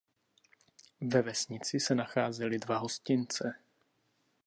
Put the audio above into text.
Ve vesnici se nacházely dva hostince.